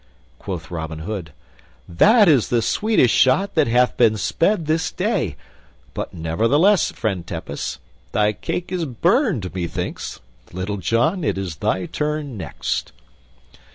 Quoth Robin Hood, "That is the sweetest shot that hath been sped this day; but, nevertheless, friend Tepus, thy cake is burned, methinks. Little John, it is thy turn next."